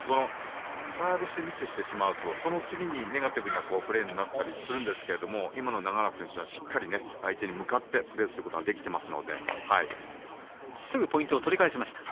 サービスをミスしてしまうとその次にネガティブなプレーになったりするんですけど今の永原選手はしっかり相手に向かってプレーすることができてます。